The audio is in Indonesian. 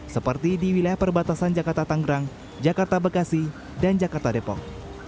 seperti di wilayah perbatasan jakarta tanggerang jakarta bekasi dan jakarta depok